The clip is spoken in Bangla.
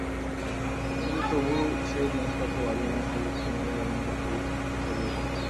কিন্তু তবু সেই জিনিসপত্র বাঁধিলেন, টিকিট কিনিলেন, এবং গাড়িও চড়িলেন।